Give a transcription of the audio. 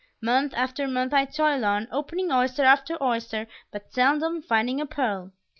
Month after month I toil on, opening oyster after oyster, but seldom finding a pearl.